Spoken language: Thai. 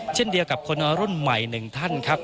เช่นเดียวกับคนรุ่นใหม่หนึ่งท่านครับ